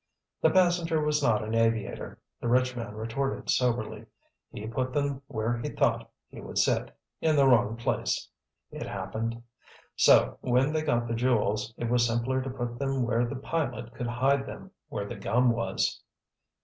"The passenger was not an aviator," the rich man retorted soberly. "He put them where he thought he would sit—in the wrong place, it happened. So, when they got the jewels, it was simpler to put them where the pilot could hide them, where the gum was."